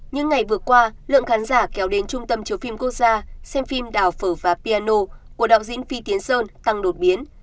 những ngày vừa qua lượng khán giả kéo đến trung tâm chiếu phim quốc gia xem phim đào phở và piano của đạo diễn phi tiến sơn tăng đột biến